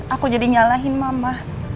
aku jadi nyalahin mama